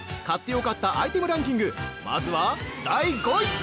買ってよかったアイテムランキング、まずは第５位！